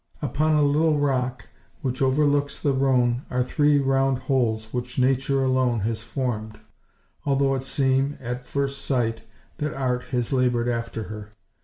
Upon a little rock which overlooks the Rhone are three round holes which nature alone has formed, although it seem, at first sight, that art has laboured after her.